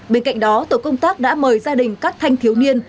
bên cạnh đó tổ công tác đã mời gia đình các thanh thiếu niên